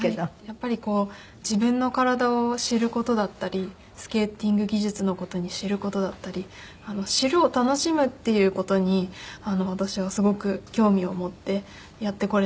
やっぱりこう自分の体を知る事だったりスケーティング技術の事を知る事だったり「知る」を楽しむっていう事に私はすごく興味を持ってやってこれたので。